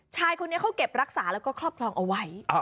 ชายคนนี้เขาเก็บรักษาแล้วก็ครอบครองเอาไว้